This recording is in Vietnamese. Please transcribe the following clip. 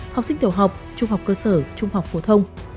học sinh tiểu học trung học cơ sở trung học phổ thông